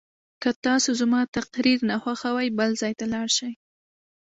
که تاسو زما تقریر نه خوښوئ بل ځای ته لاړ شئ.